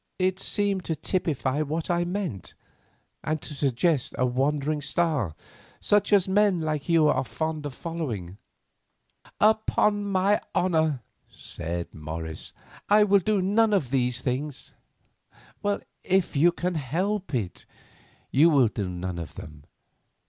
It seemed to typify what I meant, and to suggest a wandering star—such as men like you are fond of following." "Upon my honour," said Morris, "I will do none of these things." "If you can help it, you will do none of them.